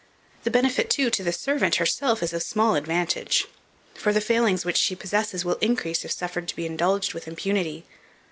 The benefit, too, to the servant herself is of small advantage; for the failings which she possesses will increase if suffered to be indulged with impunity.